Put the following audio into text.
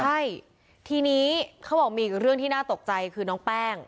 ใช่ทีนี้เขาบอกมีอีกเรื่องที่น่าตกใจคือน้องแป้ง